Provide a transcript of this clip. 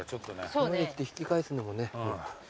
ここまで来て引き返すのもね。